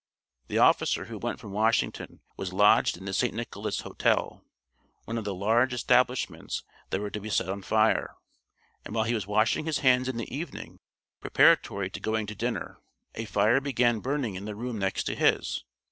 The officer who went from Washington was lodged in the St. Nicholas Hotel, one of the large establishments that were to be set on fire, and while he was washing his hands in the evening, preparatory to going to dinner, a fire began burning in the room next to his.